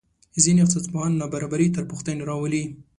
ځینې اقتصادپوهان نابرابري تر پوښتنې راولي.